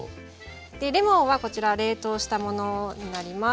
レモンはこちら冷凍したものになります。